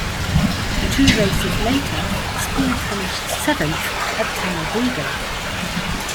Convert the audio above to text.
Two races later, Speed finished seventh at Talladega.